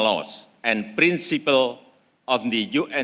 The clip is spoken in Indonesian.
dan prinsip dari catatan un